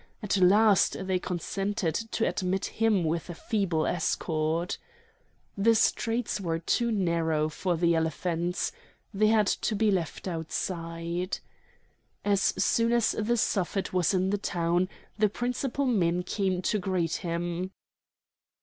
At last they consented to admit him with a feeble escort. The streets were too narrow for the elephants. They had to be left outside. As soon as the Suffet was in the town the principal men came to greet him.